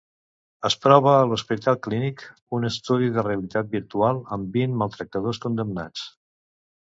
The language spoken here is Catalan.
Es prova a l'Hospital Clínic un estudi de realitat virtual amb vint maltractadors condemnats.